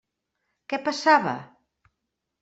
Què passava?